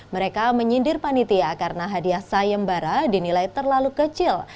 mereka menyindir panitia karena hadiah sayembara dinilai terlalu kecil